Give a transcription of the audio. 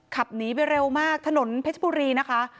ขับหนีไปเร็วมากถนนเพชรบุรีนะคะ